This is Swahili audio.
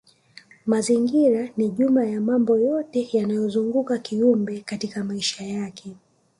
Mazingira ni jumla ya mambo yote yanayomzuguka kiumbe katika maisha yake